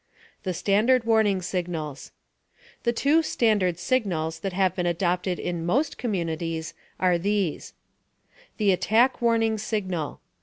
THE STANDARD WARNING SIGNALS The two "standard" signals that have been adopted in most communities are these: THE ATTACK WARNING SIGNAL.